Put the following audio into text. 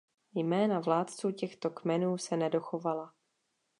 Jména vládců těchto kmenů se nedochovala.